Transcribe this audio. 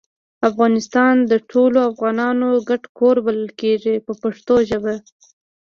افغانستان د ټولو افغانانو ګډ کور بلل کیږي په پښتو ژبه.